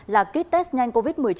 là kit test nhanh covid một mươi chín